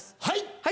はい！